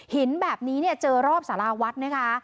เห็นแบบนี้เจอรอบสาราวัดนะคะ